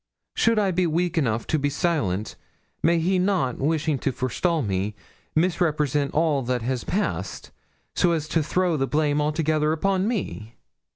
Should I be weak enough to be silent, may he not, wishing to forestall me, misrepresent all that has passed, so as to throw the blame altogether upon me?'